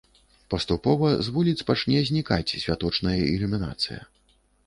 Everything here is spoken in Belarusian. Паступова з вуліц пачне знікаць святочная ілюмінацыя.